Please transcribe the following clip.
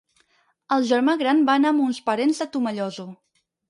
El germà gran va anar amb uns parents de Tomelloso.